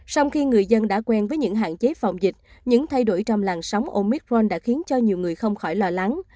sau khi người dân đã quen với những hạn chế phòng dịch những thay đổi trong làng sóng omicron đã khiến cho nhiều người không khỏi lo lắng